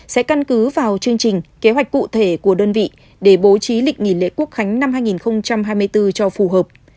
sẽ căn cứ vào chương trình kế hoạch cụ thể của đơn vị để bố trí lịch nghỉ lễ quốc khánh năm hai nghìn hai mươi bốn cho phù hợp